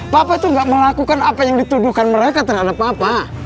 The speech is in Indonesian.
papa itu gak melakukan apa yang dituduhkan mereka terhadap papa